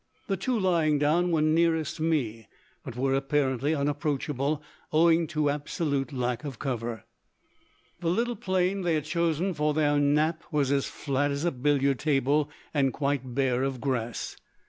The two lying down were nearest me, but were apparently unapproachable, owing to absolute lack of cover. The little plain they had chosen for their nap was as flat as a billiard table and quite bare of grass.